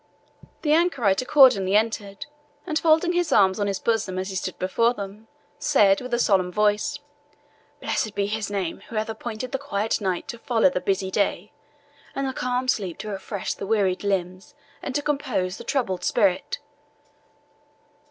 The anchorite accordingly entered, and folding his arms on his bosom as he stood before them, said with a solemn voice, "Blessed be His name, who hath appointed the quiet night to follow the busy day, and the calm sleep to refresh the wearied limbs and to compose the troubled spirit!"